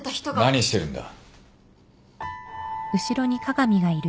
・何してるんだ？